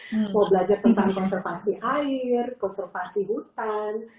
mau belajar tentang konservasi air konservasi hutan